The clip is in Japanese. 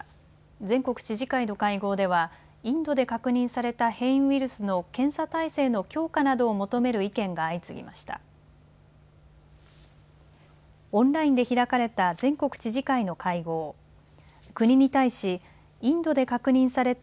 全国知事会の会合ではインドで確認された変異ウイルスの検査体制の強化などを求める意見が相次ぎました。